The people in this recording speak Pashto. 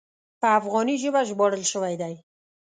په افغاني ژبه ژباړل شوی دی.